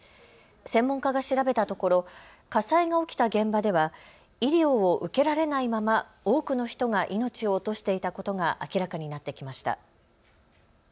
専門家が調べたところ火災が起きた現場では医療を受けられないまま多くの人が命を落としていたことが明らかになってきました。